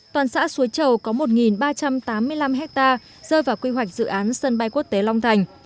toàn xã suối chầu có một ba trăm tám mươi năm hectare rơi vào quy hoạch dự án sân bay quốc tế long thành